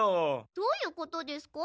どういうことですか？